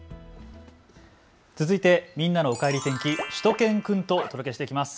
続いて、みんなのおかえり天気、しゅと犬くんとお届けしていきます。